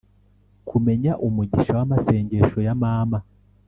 kumenya umugisha w'amasengesho ya mama.